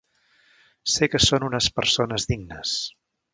Sé que són unes persones dignes.